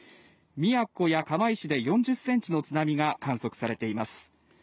宮古や釜石で４０ｃｍの津波が観測されています。